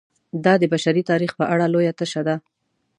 دا د بشري تاریخ په اړه لویه تشه ده.